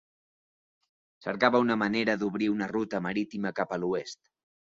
Cercava una manera d'obrir una ruta marítima cap a l'oest.